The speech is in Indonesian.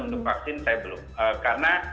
untuk vaksin saya belum karena